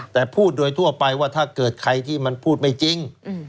แต่พูดโดยทั่วไปว่าถ้าเกิดใครที่มันพูดไม่จริง